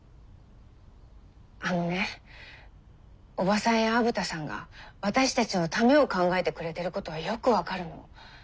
あのねおばさんや虻田さんが私たちのためを考えてくれてることはよく分かるの。